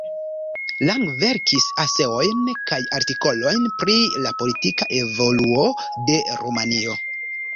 Lang verkis eseojn kaj artikolojn pri la politika evoluo de Rumanio.